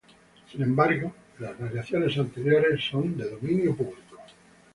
Sin embargo, las variaciones anteriores son de dominio público.